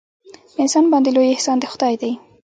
په انسان باندې لوی احسان د خدای دی.